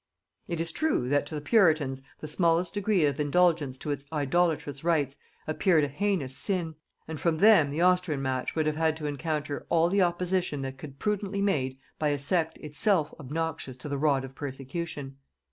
It is true that to the puritans the smallest degree of indulgence to its idolatrous rites appeared a heinous sin, and from them the Austrian match would have had to encounter all the opposition that could prudently be made by a sect itself obnoxious to the rod of persecution.